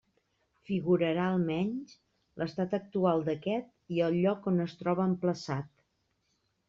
Figurarà, almenys, l'estat actual d'aquest i el lloc on es troba emplaçat.